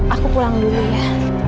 aku pulang dulu ya